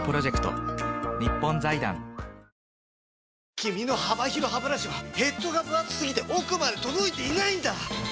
君の幅広ハブラシはヘッドがぶ厚すぎて奥まで届いていないんだ！